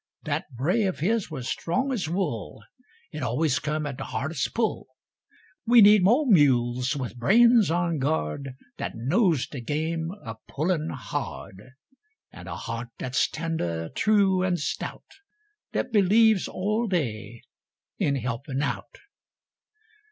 Dat bray of his was strong as wool It always come at de hardest pull. We need mo' mules with brains on guard Dat knos de game of pullin' hard, An' a heart dat's tender, true and stout, Dat believes all day in helpin' out.